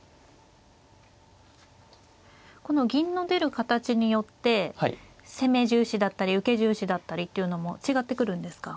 この銀の出る形によって攻め重視だったり受け重視だったりっていうのも違ってくるんですか。